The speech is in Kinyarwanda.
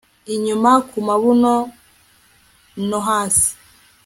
inyuma kumabuno no hasi